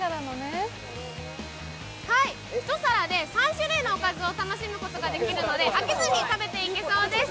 １皿で３種類のおかずを楽しむことができるので飽きずに食べていけそうです。